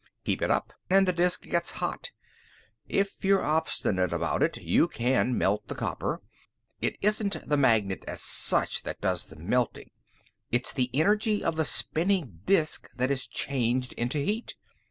Keep it up, and the disk gets hot. If you're obstinate about it, you can melt the copper. It isn't the magnet, as such, that does the melting. It's the energy of the spinning disk that is changed into heat.